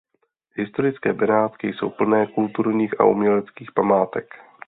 Historické Benátky jsou plné kulturních a uměleckých památek.